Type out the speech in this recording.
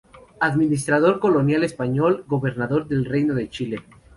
Administrador colonial español, Gobernador del Reino de Chile.